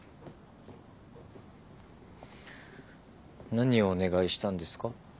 何をお願いしたんですか？